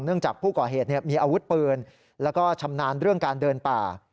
จากผู้ก่อเหตุมีอาวุธปืนแล้วก็ชำนาญเรื่องการเดินป่า